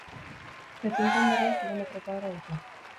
Pepin konderriak kilometro koadro ditu.